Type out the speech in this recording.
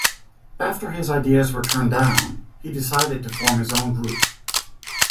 After his ideas were turned down, he decided to form his own group.